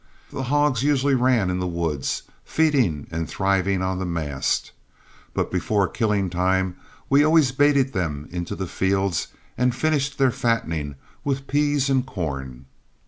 The hogs usually ran in the woods, feeding and thriving on the mast, but before killing time we always baited them into the fields and finished their fattening with peas and corn.